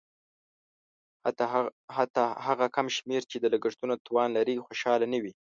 حتی هغه کم شمېر چې د لګښتونو توان لري خوشاله نه وي.